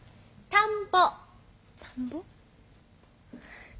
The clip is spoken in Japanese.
田んぼ？